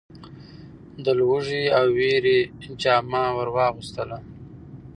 د لوږې او وېري جامه ور واغوستله .